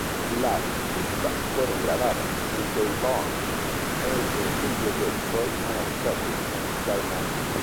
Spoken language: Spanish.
Las pistas fueron grabadas en The Barn, el estudio de Trey Anastasio en Vermont.